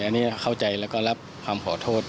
อันนี้เข้าใจแล้วก็รับคำขอโทษ